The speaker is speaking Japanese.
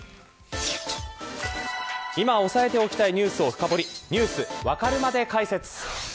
今押さえておきたいニュースを深掘りＮｅｗｓわかるまで解説。